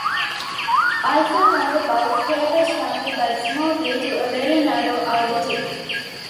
"Eiffel Tower" bows taper sharply, but smoothly, to a very narrow outer tip.